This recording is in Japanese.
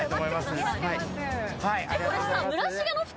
これさ。